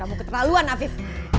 kamu keterlaluan afif